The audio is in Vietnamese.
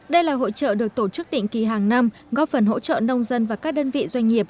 đây là hội trợ được tổ chức định kỳ hàng năm góp phần hỗ trợ nông dân và các đơn vị doanh nghiệp